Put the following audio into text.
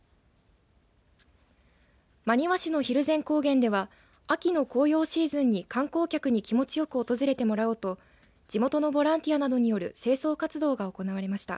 真庭市の蒜山高原では秋の紅葉シーズンに観光客に気持ちよく訪れてもらおうと地元のボランティアなどによる清掃活動が行われました。